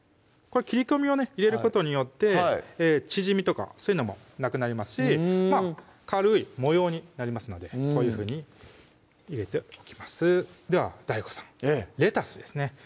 これ切り込みをね入れることによって縮みとかそういうのもなくなりますし軽い模様になりますのでこういうふうに入れておきますではＤＡＩＧＯさんレタスですね